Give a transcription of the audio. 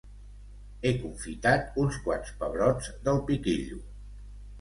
he confitat uns quants pebrots del "piquillo"